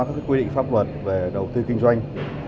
các quy định pháp luật về đầu tư kinh doanh